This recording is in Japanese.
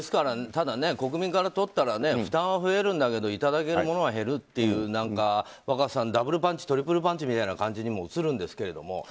ただ、国民からとったら負担は増えるんだけどいただけるものが減るという若狭さん、ダブルパンチトリプルパンチみたいな感じにも映るんですけども。